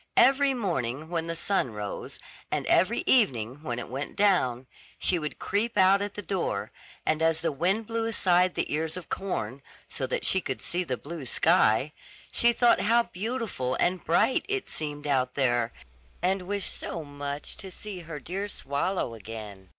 Every morning when the sun rose, and every evening when it went down, she would creep out at the door, and as the wind blew aside the ears of corn, so that she could see the blue sky, she thought how beautiful and bright it seemed out there, and wished so much to see her dear swallow again.